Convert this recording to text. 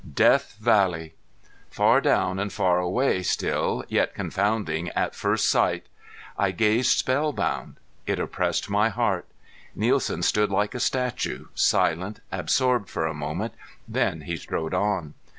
Death Valley! Far down and far away still, yet confounding at first sight! I gazed spellbound. It oppressed my heart. Nielsen stood like a statue, silent, absorbed for a moment, then he strode on.